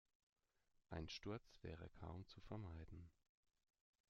Ein Sturz wäre kaum zu vermeiden.